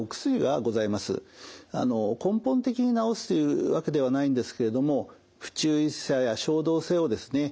根本的に治すというわけではないんですけれども不注意さや衝動性をですね